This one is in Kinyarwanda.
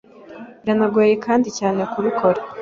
biranagoye kandi cyane kubikora